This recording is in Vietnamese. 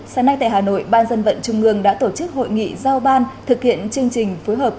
sáng nay tại hà nội ban dân vận trung ương đã tổ chức hội nghị giao ban thực hiện chương trình phối hợp